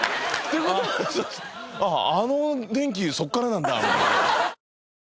あの電気そこからなんだみたいな。